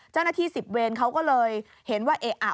เจ้าหน้าที่๑๐เวนเขาก็เลยเห็นว่าเอะอะ